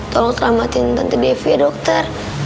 tolong selamatin tante devi ya dokter